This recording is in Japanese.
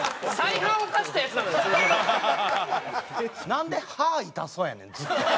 なんで歯痛そうやねんずっと。